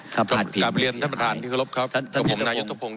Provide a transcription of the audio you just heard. ถ้าภาพพินฯท่านประธานดิขฤพครับท่านหญิตภงค์